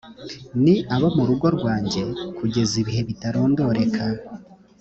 ni abo mu rugo rwanjye kugeza ibihe bitarondoreka